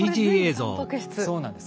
そうなんです。